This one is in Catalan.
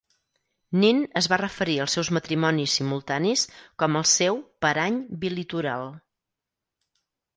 Nin es va referir als seus matrimonis simultanis com el seu "parany bilitoral".